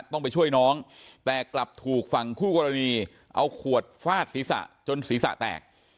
ต้องไปช่วยน้องแต่กลับถูกฝั่งคู่กรณีเอาขวดฟาดศีรษะจนศีรษะแตก